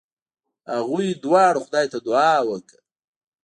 هغوی دواړو خدای ته دعا وکړه.